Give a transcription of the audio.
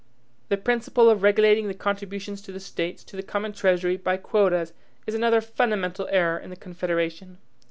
The principle of regulating the contributions of the States to the common treasury by QUOTAS is another fundamental error in the Confederation.